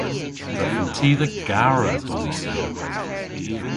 Drefen ty dhe gara donsya.